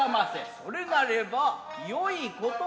それなればよいことがある。